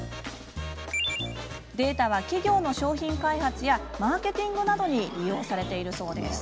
データは、企業の商品開発やマーケティングなどに利用されているそうです。